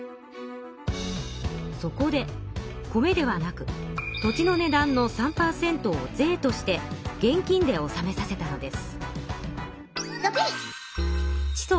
そこで米ではなく土地の値段の３％を税として現金でおさめさせたのです。